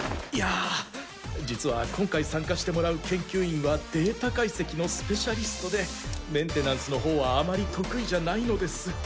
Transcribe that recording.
いや実は今回参加してもらう研究員はデータ解析のスペシャリストでメンテナンスのほうはあまり得意じゃないのです。